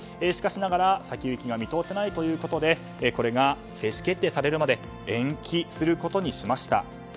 しかしながら先行きが見通せないということでこれが正式決定されるまで延期することにしました。